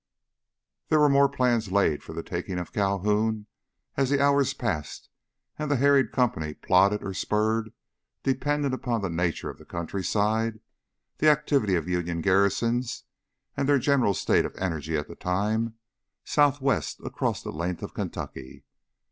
There were more plans laid for the taking of Calhoun as the hours passed and the harried company plodded or spurred depending upon the nature of the countryside, the activity of Union garrisons, and their general state of energy at the time southwest across the length of Kentucky.